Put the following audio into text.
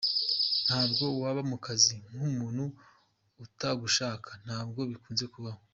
Ntabwo waba mu kazi k’umuntu atagushaka, ntabwo bikunze kubaho.